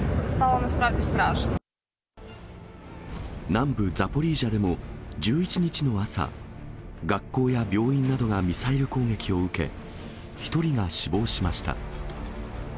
南部ザポリージャでも１１日の朝、学校や病院などがミサイル攻撃を受け、１人が死亡しました。